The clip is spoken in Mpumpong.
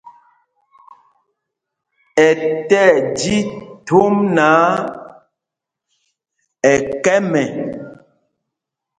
Ɛ tí ɛji thōm náǎ, ɛ kɛ̄m ɛ.